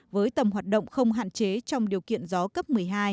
với tầm hoạt động không hạn chế trong điều kiện gió cấp một mươi hai